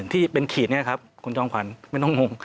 ที่เป็นขีดนี้ครับคุณจอมขวัญไม่ต้องงง